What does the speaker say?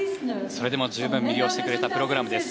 それでも十分、魅了してくれたプログラムです。